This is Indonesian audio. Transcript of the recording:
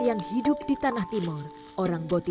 sehingga mereka dapat memiliki makanan yang lebih baik